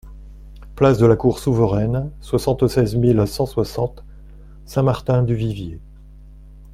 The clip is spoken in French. Place de la Cour Souveraine, soixante-seize mille cent soixante Saint-Martin-du-Vivier